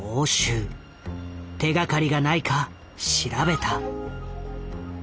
手がかりがないか調べた。